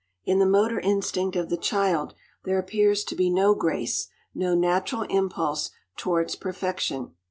In the motor instinct of the child there appears to be no grace, no natural impulse towards perfection.